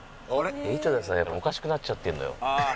やっぱりおかしくなっちゃってるのよ。